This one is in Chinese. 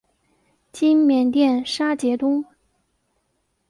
今缅甸杰沙东。